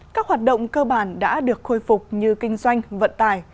các hoạt động cơ bản đã được khôi phục như kinh doanh vận tài